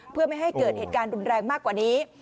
เพื่อไม่ให้เกิดเหตุการณ์รุนแรงมากกว่านี้